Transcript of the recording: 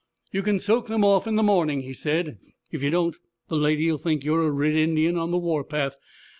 "You can soak them off in the morning," he said. "If you don't, the lady'll think yo're a red Indian on the warpath.